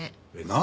何？